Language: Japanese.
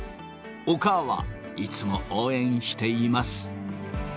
おかあは、いつも応援しています。